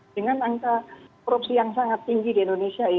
dengan angka korupsi yang sangat tinggi di indonesia